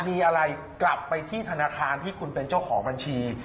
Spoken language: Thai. มีอะไรกลับไปที่ธนาคารที่คุณเป็นเจ้าของบัญชี